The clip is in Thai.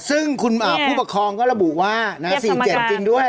ซึ่งคุณผู้ปกครองก็ระบุว่า๔๗จริงด้วย